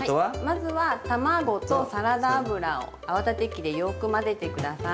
まずは卵とサラダ油を泡立て器でよく混ぜて下さい。